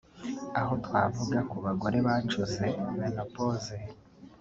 aha twavuga ku bagore bacuze (menopause)